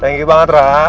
thank you banget ra